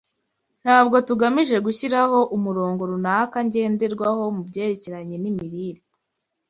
Ntabwo tugamije gushyiraho umurongo runaka ngenderwaho mu byerekeranye n’imirire